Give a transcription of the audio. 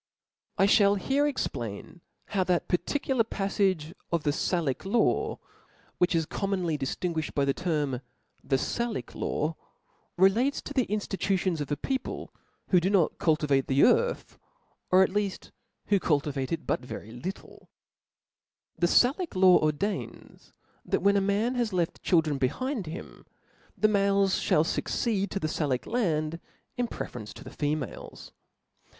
T Shall here explain how that particular paflage of * the Salic law, which is commonly diftinguiftied by the term The Salic Lawy relates to the inftitu tions of a people who do not cultivate the earth, or at Jeaft who cultivate it but very little, (»)Tit62, The Salic («) law ordains, that when a man has left children behind him, the males (hall fuccecd ta the Salic land in prejudice to the females.